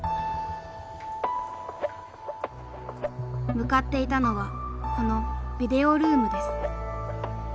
向かっていたのはこのビデオルームです。